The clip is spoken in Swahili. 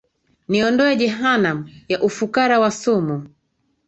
Niondoe jehanamu, ya ufukara wa sumu,